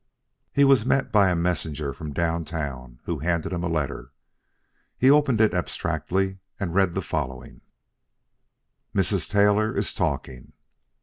He was met by a messenger from downtown who handed him a letter. He opened it abstractedly and read the following: "Mrs. Taylor is talking."